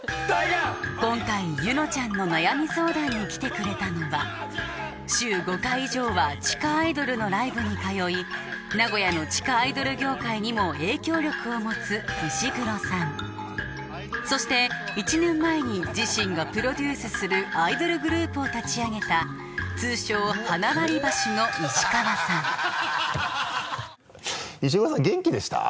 今回柚乃ちゃんの悩み相談に来てくれたのは週５回以上は地下アイドルのライブに通い名古屋の地下アイドル業界にも影響力を持つ石黒さんそして１年前に自身がプロデュースするアイドルグループを立ち上げた通称「鼻割り箸」の石川さん石黒さん元気でした？